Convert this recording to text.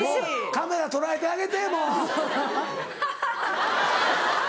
カメラ捉えてあげてもう。